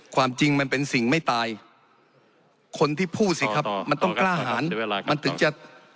ความจริงมันเป็นสิ่งไม่ตายคนที่พูดสิครับมันต้องกล้าหารมันถึงจะ